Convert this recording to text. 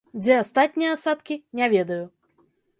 Дзе астатнія асадкі, не ведаю.